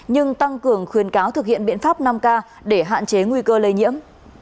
nhưng tăng cường khuyến cáo thực hiện biện pháp năm k để hạn chế nguy cơ lây nhiễm